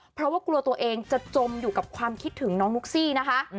เพราะว่ากลัวตัวเองจะจมอยู่กับความคิดถึงน้องนุ๊กซี่นะคะ